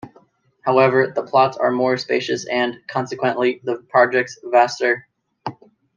However, the plots are more spacious and, consequently, the projects vaster.